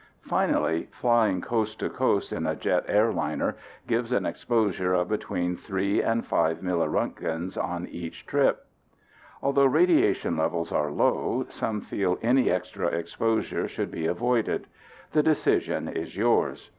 Finally, flying coast to coast in a jet airliner gives an exposure of between three and five milliroentgens on each trip. Although radiation levels are low, some feel any extra exposure should be avoided. The decision is yours.